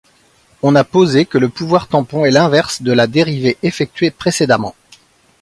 On a posé que le pouvoir tampon est l'inverse de la dérivée effectuée précédemment.